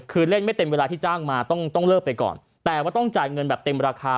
คือเล่นไม่เต็มเวลาที่จ้างมาต้องต้องเลิกไปก่อนแต่ว่าต้องจ่ายเงินแบบเต็มราคา